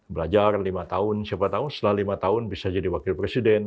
belajar lima tahun siapa tahu setelah lima tahun bisa jadi wakil presiden